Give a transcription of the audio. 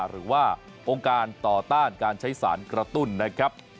หรือว่าองค์การต่อต้านการใช้สารกระตุ้นนะครับ